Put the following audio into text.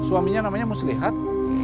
suaminya namanya muslihat